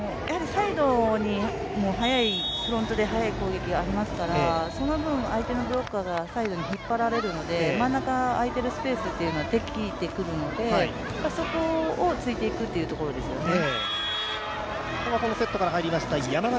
サイドにも速い、フロントで速い攻撃がありますからその分、相手のブロッカーがサイドに引っ張られるので真ん中、空いているスペースができてくるのでそこを突いていくというところですよね。